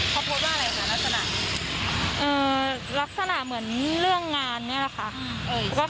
พอโพสต์ว่าอะไรคะลักษณะ